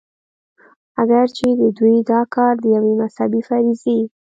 اګر چې د دوي دا کار د يوې مذهبي فريضې